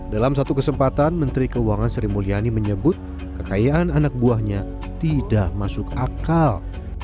dalam satu kesempatan menteri keuangan sri mulyani menyebut kekayaan anak buahnya tidak masuk akal